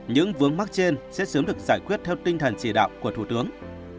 những vướng mắc trên sẽ sớm được giải quyết theo tinh thần chỉ đạo của thủ tướng